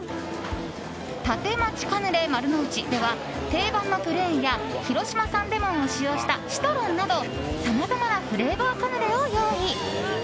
立町カヌレＭＡＲＵＮＯＵＣＨＩでは定番のプレーンや広島産レモンを使用したシトロンなどさまざまなフレーバーカヌレを用意。